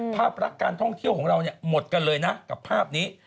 ภาพรักการท่องเที่ยวของเราหมดกันเลยนะกับภาพนี้